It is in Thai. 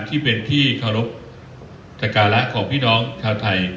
ที่เป็นที่ช่องรบศักราคมของพี่น้องชาวไทย